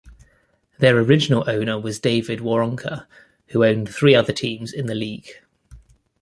Their original owner was David Waronker, who owned three other teams in the league.